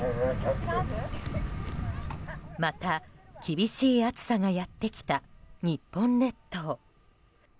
また厳しい暑さがやってきた日本列島。